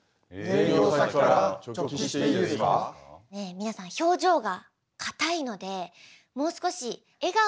皆さん表情が硬いのでもう少し笑顔で。